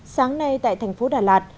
sáng nay tại thành phố đà lạt